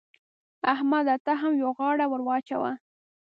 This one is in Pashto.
احمده! ته هم يوه غاړه ور واچوه.